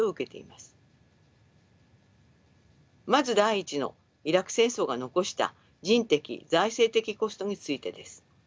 まず第１のイラク戦争が残した人的財政的コストについてです。